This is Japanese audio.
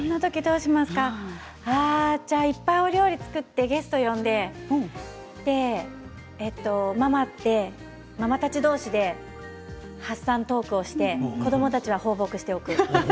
じゃあ、いっぱいお料理を作ってゲストを呼んでママたちどうしで発散トークをして子どもたちは放牧しておく。